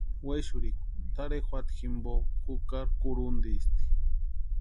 Wexurhikwa tʼarhe juata jimpo jukari kurhuntisti.